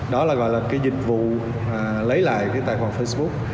đó là gọi là cái dịch vụ lấy lại cái tài khoản facebook